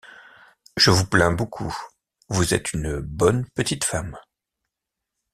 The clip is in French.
Je vous plains beaucoup, vous êtes une bonne petite femme.